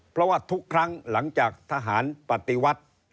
เพราะว่าทุกครั้งหลังจากทหารปฏิวัติ